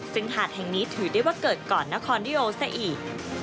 ซึ่งหาดแห่งนี้ถือได้ว่าเกิดก่อนนครนิโอซะอีก